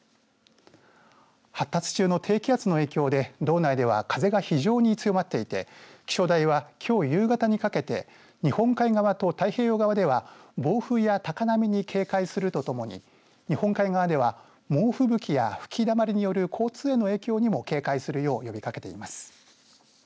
発達中の低気圧の影響で道内では風が非常に強まっていて気象台は、きょう夕方にかけて日本海側と太平洋側では暴風や高波に警戒するとともに日本海側では猛吹雪や吹きだまりによる交通への影響にも警戒するよう呼びかけています。